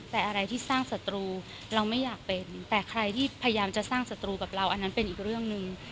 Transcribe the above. แต่อะไรที่สร้างศัตรูเราไม่อยากเป็นแต่ใครที่พยายามจะสร้างศัตรูกับเราอันนั้นเป็นอีกเรื่องหนึ่ง